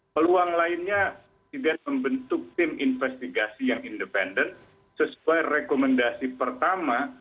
peluang lainnya presiden membentuk tim investigasi yang independen sesuai rekomendasi pertama